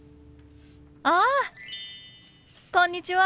あ！こんにちは。